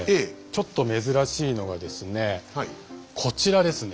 ちょっと珍しいのがですねこちらですね。